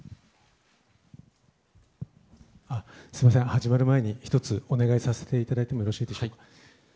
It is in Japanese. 始まる前に１つお願いさせていただいてもよろしいでしょうか。